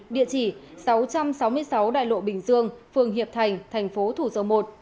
địa chỉ sáu trăm sáu mươi sáu đại lộ bình dương phường hiệp thành tp thủ dâu một